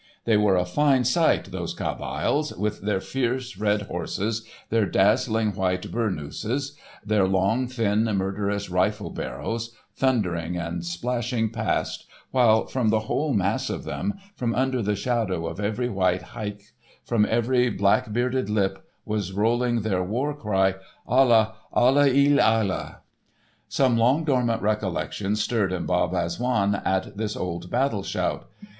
They were a fine sight, those Kabyles, with their fierce, red horses, their dazzling white bournouses, their long, thin, murderous rifle barrels, thundering and splashing past, while from the whole mass of them, from under the shadow of every white haik, from every black bearded lip, was rolling their war cry: "Allah, Allah il Allah!" Some long dormant recollections stirred in Bab Azzoun at this old battle shout.